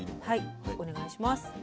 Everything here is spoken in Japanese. はいお願いします。